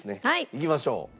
いきましょう。